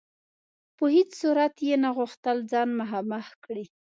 په هیڅ صورت یې نه غوښتل ځان مخامخ کړي.